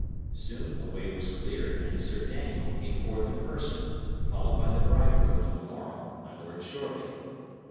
Soon a way was cleared, and Sir Daniel came forth in person, followed by the bridegroom of the morrow, my Lord Shoreby.